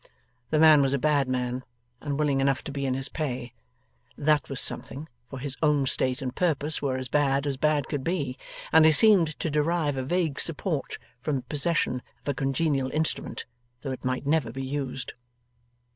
The man was a bad man, and willing enough to be in his pay. That was something, for his own state and purpose were as bad as bad could be, and he seemed to derive a vague support from the possession of a congenial instrument, though it might never be used.